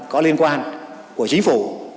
có liên quan của chính phủ